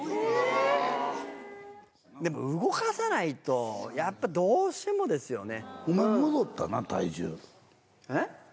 でも動かさないとやっぱどうしてもですよね。